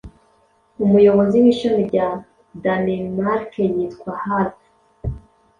Umuyobozi wishami rya Danemarke yitwa Half-